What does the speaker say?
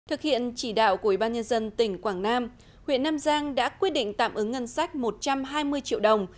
thực hiện chỉ đạo của ủy ban nhân dân tỉnh quảng nam huyện nam giang đã quyết định tạm ứng ngân sách một trăm hai mươi triệu đồng